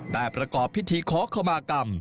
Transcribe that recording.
ได้ประเกาะพิธีขอขมากรรม